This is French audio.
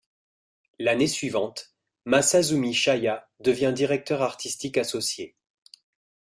L'année suivante, Masazumi Chaya devient directeur artistique associé.